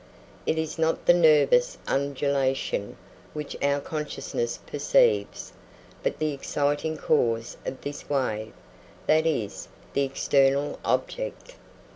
It is not the nervous undulation which our consciousness perceives, but the exciting cause of this wave that is, the external object.